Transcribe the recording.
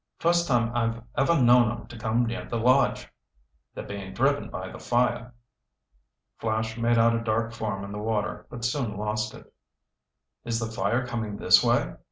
First time I've ever known 'em to come near the lodge. They're being driven by the fire." Flash made out a dark form in the water but soon lost it. "Is the fire coming this way?"